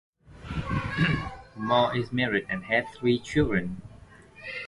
Morse is married and has three children.